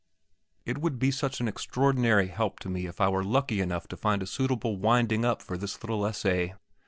It would be such an extraordinary help to me if I were lucky enough to find a suitable winding up for this little essay.